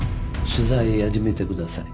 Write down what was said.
取材始めてください。